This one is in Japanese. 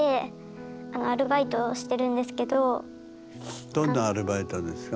それでどんなアルバイトですか？